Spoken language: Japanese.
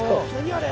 あれ。